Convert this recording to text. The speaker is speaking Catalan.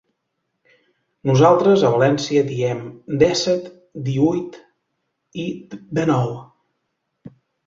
Nosaltres a Valencia diem dèsset, díhuit i dènou.